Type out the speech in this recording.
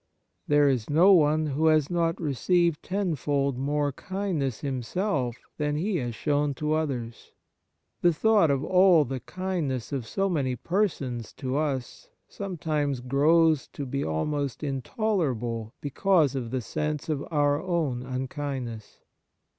There is no one who has not received ten fold more kindness himself than he has shown to others. The thought of all the kindness of so many persons to us some times growls to be almost intolerable because of the sense of our own unkindness.